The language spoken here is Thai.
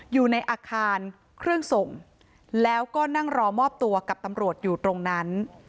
อยู่ในอาคารเครื่องส่งแล้วก็นั่งรอมอบตัวกับตำรวจอยู่ตรงนั้น